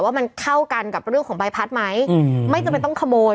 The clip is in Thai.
ว่ามันเข้ากันกับเรื่องของใบพัดไหมไม่จำเป็นต้องขโมย